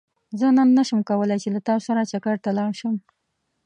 زه نن نه شم کولاي چې له تاسو سره چکرته لاړ شم